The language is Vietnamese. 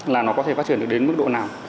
là nó có thể phát triển được đến mức độ nào